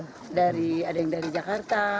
ada yang dari jakarta